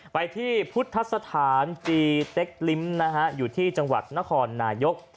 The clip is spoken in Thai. ไปที่พุทธสถานจีเต็กลิ้มนะฮะอยู่ที่จังหวัดนครนายก